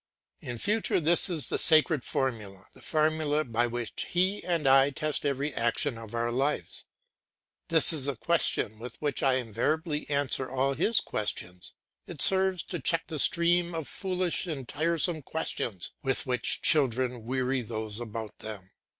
In future this is the sacred formula, the formula by which he and I test every action of our lives. This is the question with which I invariably answer all his questions; it serves to check the stream of foolish and tiresome questions with which children weary those about them.